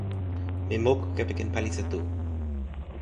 mi moku kepeken palisa tu.